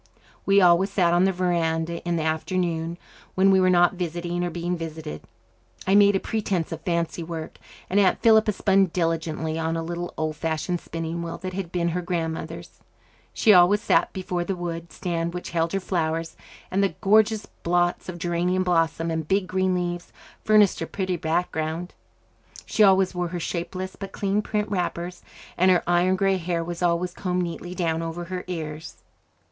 We always sat on the verandah in the afternoon, when we were not visiting or being visited. I made a pretence of fancy work, and Aunt Philippa spun diligently on a little old fashioned spinning wheel that had been her grandmother's. She always sat before the wood stand which held her flowers, and the gorgeous blots of geranium blossom and big green leaves furnished a pretty background. She always wore her shapeless but clean print wrappers, and her iron grey hair was always combed neatly down over her ears.